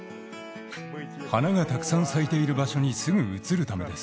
花がたくさん咲いている場所にすぐ移るためです。